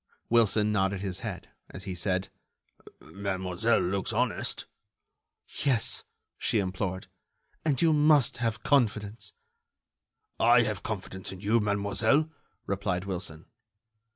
Wilson nodded his head, as he said: "Mademoiselle looks honest." "Yes," she implored, "and you must have confidence——" "I have confidence in you, mademoiselle," replied Wilson.